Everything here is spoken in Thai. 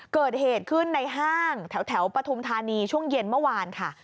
เกิดเหตุขึ้นในห้างแถวปฐุมธานีช่วงเย็นเมื่อวานค่ะ